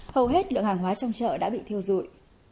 hầu hết lượng hàng hóa trong chợ đã bị thiêu dụi